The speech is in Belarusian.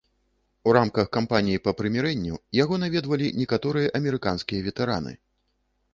У рамках кампаніі па прымірэнню яго наведвалі некаторыя амерыканскія ветэраны.